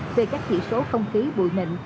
về các chỉ số không khí bụi mịn